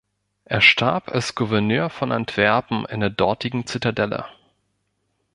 Er starb als Gouverneur von Antwerpen in der dortigen Zitadelle.